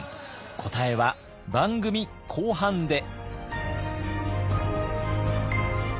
答えは番組後半で。